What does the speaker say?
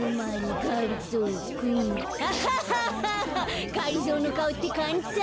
がりぞーのかおってかんたん。